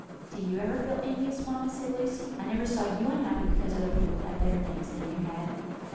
"Do you ever feel envious, mamma?" said Lucy. "I never saw you unhappy because other people had better things than you had."